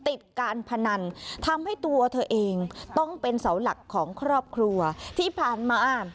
ติดการพนันทำให้ตัวเธอเองต้องเป็นเสาหลักของครอบครัวที่ผ่านมา